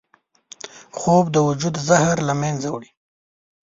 خوب د وجود زهر له منځه وړي